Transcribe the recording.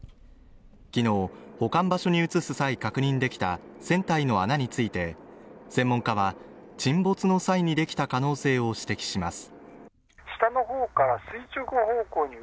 昨日保管場所に移す再確認出来た船体の穴について専門家は沈没の際にできた可能性を指摘します